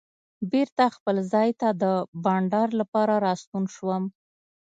بېرته خپل ځای ته د بانډار لپاره راستون شوم.